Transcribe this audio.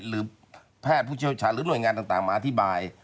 หรือแพทย์ผู้เชี่ยวชาญหรือหน่วยงานต่างมาอธิบาย